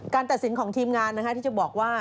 ตัดสินของทีมงานที่จะบอกว่า